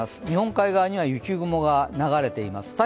日本海側には雪雲が流れています。